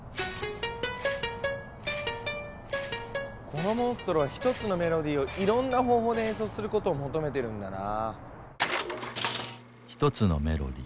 このモンストロは１つのメロディーをいろんな方法で演奏することを求めてるんだな。